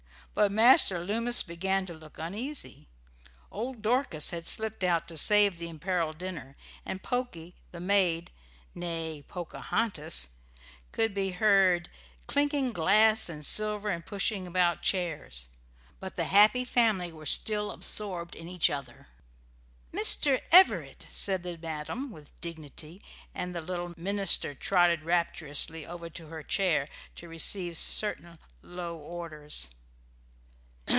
But Master Loomis began to look uneasy. Old Dorcas had slipped out, to save the imperilled dinner, and Pokey, the maid (née Pocahontas!) could be heard clinking glass and silver and pushing about chairs; but the happy family were still absorbed in each other. "Mister Everett!" said the madam, with dignity, and the little minister trotted rapturously over to her chair to receive certain low orders.